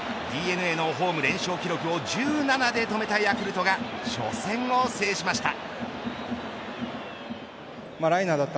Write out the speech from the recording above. ＤｅＮＡのホーム連勝記録を１７で止めたヤクルトが初戦を制しました。